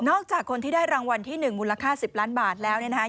จากคนที่ได้รางวัลที่๑มูลค่า๑๐ล้านบาทแล้วเนี่ยนะคะ